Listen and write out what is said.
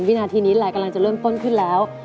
วินาทีนี้ลายกำลังจะเริ่มต้นขึ้นแล้ว